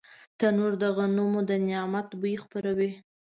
تنور د غنمو د نعمت بوی خپروي